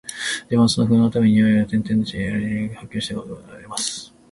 自分はその不安のために夜々、転輾し、呻吟し、発狂しかけた事さえあります